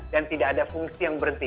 dan tidak ada fungsi yang berhenti